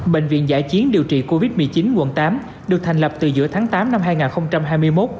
bệnh viện giải chiến điều trị covid một mươi chín quận tám được thành lập từ giữa tháng tám năm hai nghìn hai mươi một